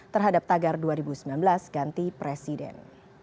terhadap tagar dua ribu sembilan belas ganti presiden